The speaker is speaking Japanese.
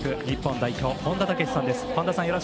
日本代表、本田武史さんです。